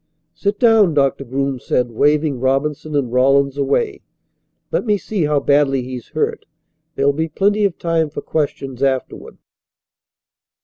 "Sit down," Doctor Groom said, waving Robinson and Rawlins away. "Let me see how badly he's hurt. There'll be plenty of time for questions afterward."